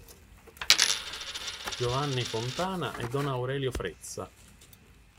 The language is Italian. Giovanni Fontana e don Aurelio Frezza.